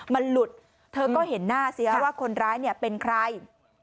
มันหลุดเธอก็เห็นหน้าสิฮะว่าคนร้ายเนี่ยเป็นใคร